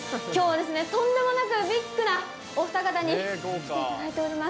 きょうはですね、とんでもなくビッグなお二方に来ていただいております。